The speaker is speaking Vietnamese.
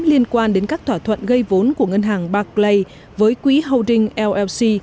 liên quan đến các thỏa thuận gây vốn của ngân hàng barclays với quỹ holding llc